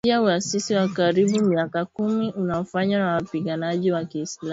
kufuatia uasi wa karibu miaka kumi unaofanywa na wapiganaji wa kiislamu